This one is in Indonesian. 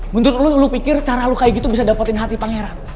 menurut lo lu pikir cara lo kayak gitu bisa dapetin hati pangeran